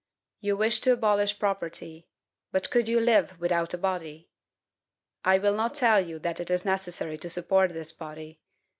You wish to abolish property; but could you live without a body? I will not tell you that it is necessary to support this body